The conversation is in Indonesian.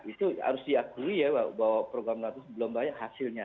itu harus diakui ya bahwa program natus belum banyak hasilnya